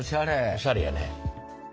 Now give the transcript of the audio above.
おしゃれやね。